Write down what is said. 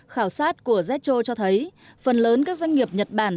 khảo sát của zcho cho thấy phần lớn các doanh nghiệp nhật bản